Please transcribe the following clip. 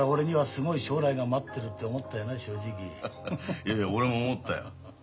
いやいや俺も思ったよ。